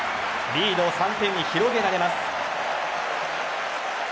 リードを３点に広げられます。